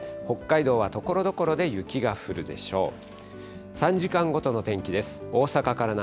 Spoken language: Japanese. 北海道はところどころで雪が降るでしょう。